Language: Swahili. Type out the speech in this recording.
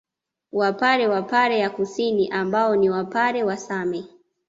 Wapare wa Pare ya Kusini ambao ni Wapare wa Same